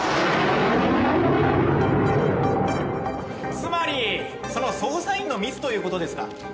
つまりその捜査員のミスという事ですか？